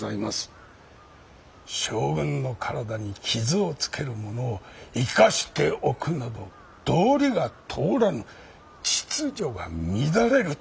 将軍の体に傷をつける者を生かしておくなど道理が通らぬ秩序が乱れると。